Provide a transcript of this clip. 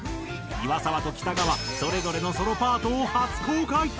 岩沢と北川それぞれのソロパートを初公開。